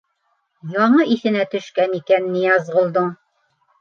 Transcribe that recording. — Яңы иҫенә төшкән икән Ныязғолдоң!